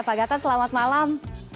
pak gatot selamat malam